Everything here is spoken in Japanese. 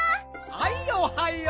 はいおはよう。